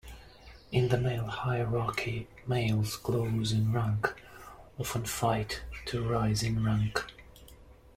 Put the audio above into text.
In the male hierarchy, males close in rank often fight to rise in rank.